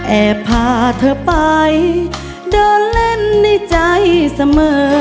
แอบพาเธอไปเดินเล่นในใจเสมอ